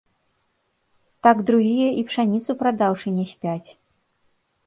Так другія і пшаніцу прадаўшы не спяць.